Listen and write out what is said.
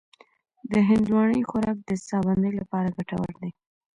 د هندواڼې خوراک د ساه بندۍ لپاره ګټور دی.